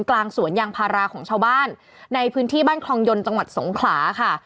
กลางสวนยางพาราของชาวบ้านในพื้นที่บ้านคลองยนต์จังหวัดสงขลาค่ะ